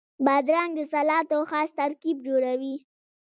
بادرنګ د سلاتو خاص ترکیب جوړوي.